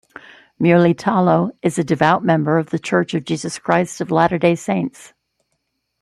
Mulitalo is a devout member of The Church of Jesus Christ of Latter-day Saints.